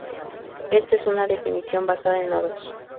Ésta es una definición basada en nodos.